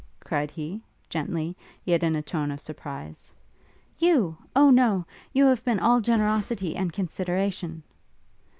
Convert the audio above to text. cried he, gently, yet in a tone of surprise. 'You? O no! You have been all generosity and consideration!'